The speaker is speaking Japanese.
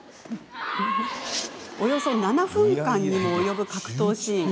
およそ７分間にも及ぶ格闘シーン。